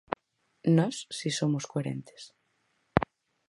Nós si somos coherentes.